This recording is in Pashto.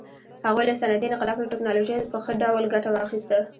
هغوی له صنعتي انقلاب او ټکنالوژۍ په ښه ډول ګټه واخیسته.